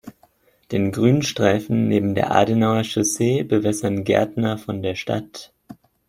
Den Grünstreifen neben der Adenauer-Chaussee bewässern Gärtner von der Stadt.